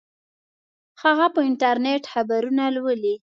هغه په انټرنیټ خبرونه لولي